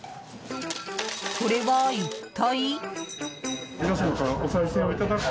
これは一体。